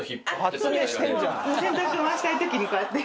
洗濯回したい時にこうやって。